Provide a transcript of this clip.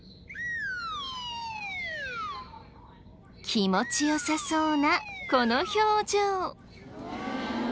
気持ち良さそうなこの表情。